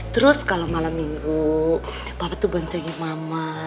terus kalau malam minggu papa tuh banjengin mama